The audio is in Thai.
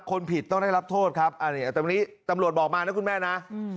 คนผิดต้องได้รับโทษครับอันนี้ตำรวจบอกมานะคุณแม่นะ